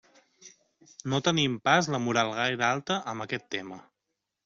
No tenim pas la moral gaire alta amb aquest tema.